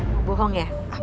mau bohong ya